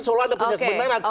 soalnya anda punya kebenaran